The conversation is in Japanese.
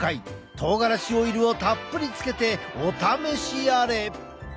とうがらしオイルをたっぷりつけてお試しあれ！